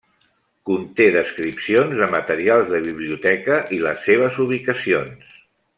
Conté descripcions de materials de biblioteca i les seves ubicacions.